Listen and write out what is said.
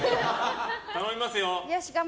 頼みますよ。